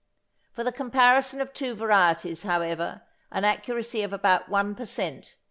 For the comparison of two varieties however an accuracy of about 1 per cent.